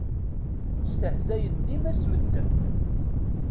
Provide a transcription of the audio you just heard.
Stehzayen dima s medden.